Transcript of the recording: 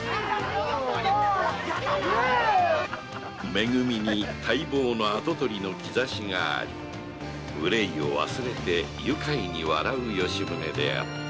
め組に待望の跡取りの兆しがあり愁いを忘れて愉快に笑う吉宗であった